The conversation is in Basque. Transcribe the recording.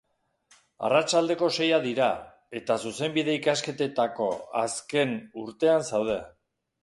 Arratsaldeko seiak dira, eta zuzenbide ikasketetako azken urtean zaude.